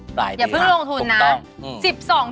พึ่งลงทุนนะ